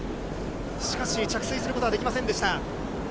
しかし、着水することはできませんでした。